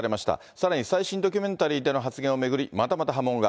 さらに最新ドキュメンタリーでの発言を巡り、またまた波紋が。